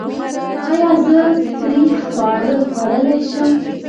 ایا زه تریخ خواړه خوړلی شم؟